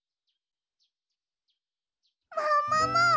ももも！